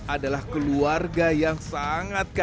adalah keluarga yang sangat kaya